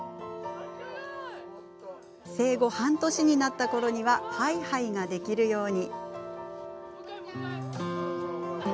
生後半年になったころにはハイハイができるように！